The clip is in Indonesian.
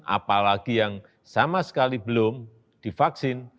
apalagi yang sama sekali belum divaksin